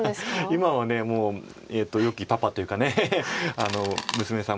今はもうよきパパというか娘さん